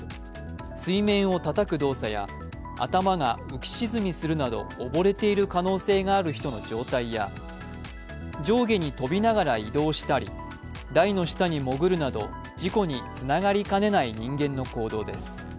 水面をたたく動作や、頭が浮き沈みするなど、溺れている可能性がある人の状態や上下に飛びながら移動したり台の下にもぐるなど事故につながりかねない人間の行動です。